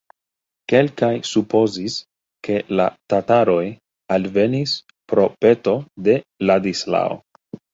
Kelkaj supozis, ke la tataroj alvenis pro peto de Ladislao.